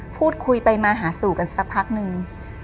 พูดคุยไปมาหาสู่กันสักพักนึง